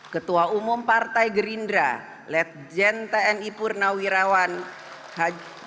ketua umum partai gerindra lejen tni purnawiyah